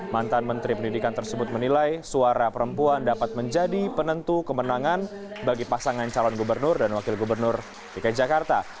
mantan menteri pendidikan tersebut menilai suara perempuan dapat menjadi penentu kemenangan bagi pasangan calon gubernur dan wakil gubernur dki jakarta